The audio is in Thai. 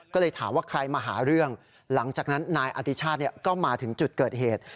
ก็เลยถามว่าใครมาหาเรื่องหลังจากนั้นนายอติชาติก็มาถึงจุดเกิดเหตุ